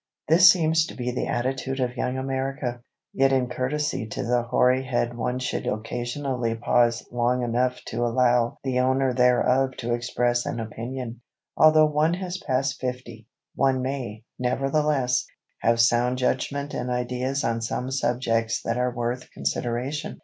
This seems to be the attitude of Young America. Yet in courtesy to the hoary head one should occasionally pause long enough to allow the owner thereof to express an opinion. Although one has passed fifty, one may, nevertheless, have sound judgment and ideas on some subjects that are worth consideration.